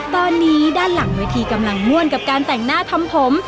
ตอนนี้ด้านหลังเวทีกำลังม่วนกับการแต่งหน้าทำผม